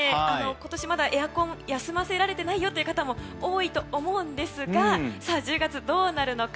今年まだエアコンを休ませられていない方も多いと思うんですが１０月、どうなるのか。